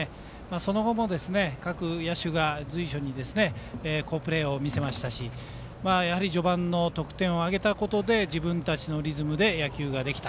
その後も、各野手が随所に好プレーを見せましたしやはり序盤で得点を挙げたことで自分たちのリズムで野球ができた。